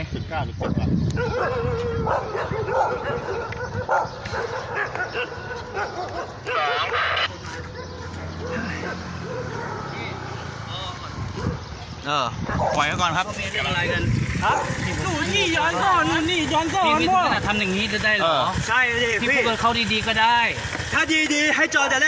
พี่พี่พูดเป็นมันจะทำแบบนี้ได้หรอ